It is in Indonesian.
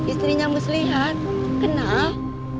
istrinya muslihat kenal